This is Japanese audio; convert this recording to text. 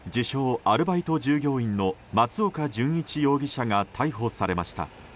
アルバイト従業員の松岡淳一容疑者が逮捕されました。